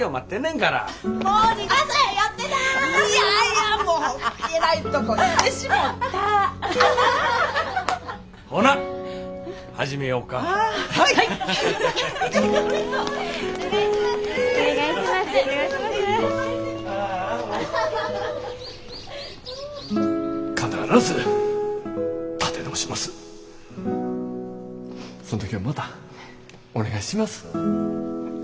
その時はまたお願いします。